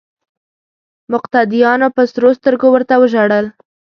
مقتدیانو په سرو سترګو ورته ژړل.